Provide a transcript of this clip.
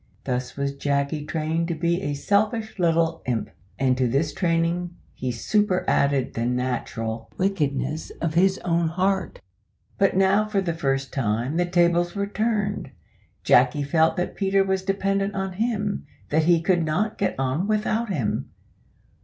Thus was Jacky trained to be a selfish little imp, and to this training he superadded the natural wickedness of his own little heart. But now, for the first time, the tables were turned. Jacky felt that Peter was dependent on him that he could not get on without him.